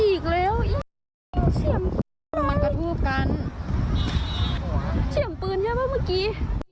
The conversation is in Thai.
อีกแล้วอีกแล้วเสี่ยมมันกระทุกกันเสี่ยมปืนใช่ป่ะเมื่อกี้